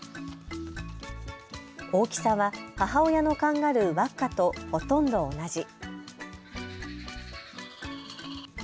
大きさは母親のカンガルー、ワッカとほとんど同じ。